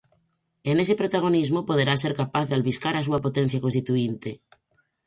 E nese protagonismo poderá ser capaz de albiscar a súa potencia constituínte.